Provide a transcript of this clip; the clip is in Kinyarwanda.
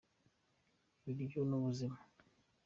ibiryo nubuzima